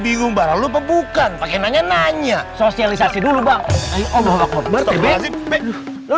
di umbar lu bukan pakai nanya nanya sosialisasi dulu bang oh aku berdiri